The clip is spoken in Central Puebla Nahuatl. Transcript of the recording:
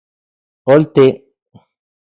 Olti.